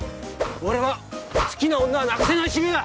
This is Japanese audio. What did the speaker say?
俺は好きな女は泣かせない主義だ。